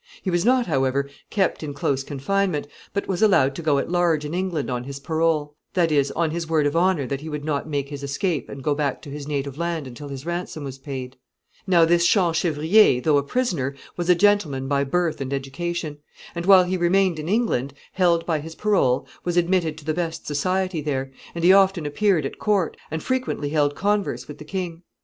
He was not, however, kept in close confinement, but was allowed to go at large in England on his parole that is, on his word of honor that he would not make his escape and go back to his native land until his ransom was paid. [Sidenote: Champchevrier at court.] Now this Champchevrier, though a prisoner, was a gentleman by birth and education; and while he remained in England, held by his parole, was admitted to the best society there, and he often appeared at court, and frequently held converse with the king.